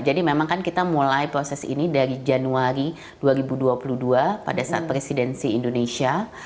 jadi memang kan kita mulai proses ini dari januari dua ribu dua puluh dua pada saat presidensi indonesia